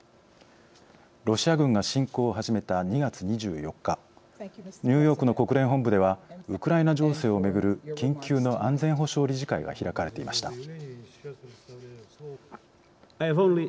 ロシア軍が侵攻を始めた２月２４日ニューヨークの国連本部ではウクライナ情勢をめぐる緊急の安全保障理事会が開かれていました。